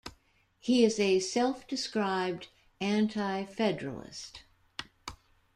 He is a self-described Anti-Federalist.